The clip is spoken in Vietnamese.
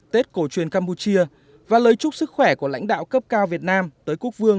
tết cổ truyền campuchia và lời chúc sức khỏe của lãnh đạo cấp cao việt nam tới quốc vương